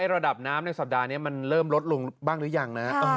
ระดับน้ำในสัปดาห์นี้มันเริ่มลดลงบ้างหรือยังนะ